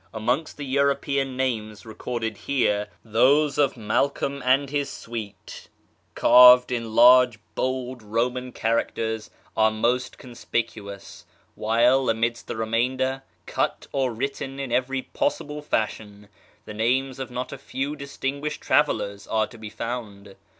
Amongst the European names recorded here, those of Malcolm and his suite, carved in large bold Poman characters, are most con spicuous ; while, amidst the remainder, cut or written in every possible fashion, the names of not a few distinguished travellers are to be found.